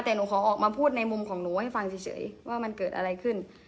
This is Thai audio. แต่หนูขอออกมาพูดในมุมของหนูให้ฟังเฉยว่ามันเกิดอะไรขึ้น